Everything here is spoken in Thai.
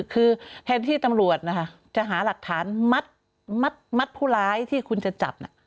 คือแทนที่ตำรวจนะคะจะหาหลักฐานมัดผู้ร้ายที่คุณจะจับ